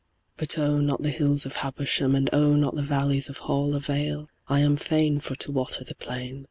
But oh, not the hills of Habersham, And oh, not the valleys of Hall Avail: I am fain for to water the plain.